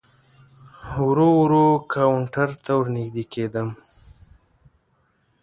ورو ورو کاونټر ته ور نږدې کېدم.